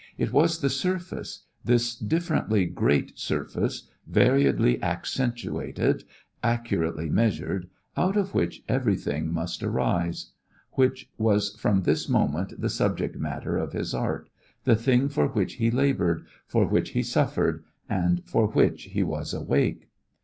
It was the surface, this differently great surface, variedly accentuated, accurately measured, out of which everything must rise, which was from this moment the subject matter of his art, the thing for which he laboured, for which he suffered and for which he was awake.